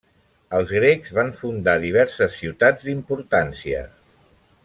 Els grecs van fundar diverses ciutats d'importància.